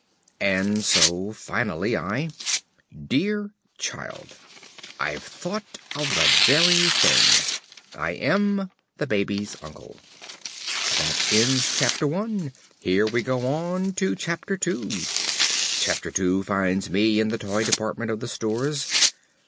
And so finally, I: Dear Child, I've thought of the very thing. I am, ~The Baby's Uncle.~ That ends Chapter I. Here we go on to II Chapter II finds me in the Toy Department of the Stores.